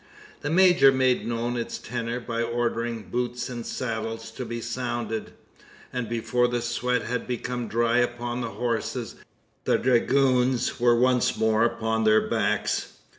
The major made known its tenor by ordering "boots and saddles" to be sounded; and before the sweat had become dry upon the horses, the dragoons were once more upon their backs.